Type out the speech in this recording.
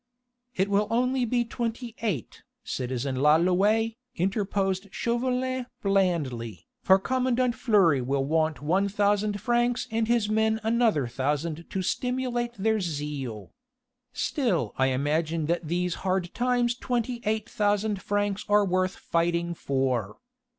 "It will only be twenty eight, citizen Lalouët," interposed Chauvelin blandly, "for commandant Fleury will want one thousand francs and his men another thousand to stimulate their zeal. Still! I imagine that these hard times twenty eight thousand francs are worth fighting for."